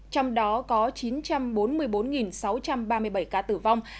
trong đó có chín trăm bốn mươi bốn sáu trăm ba mươi bảy ca tử vong